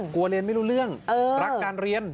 เรียนไม่รู้เรื่องรักการเรียน